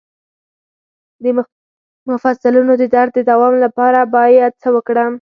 د مفصلونو د درد د دوام لپاره باید څه وکړم؟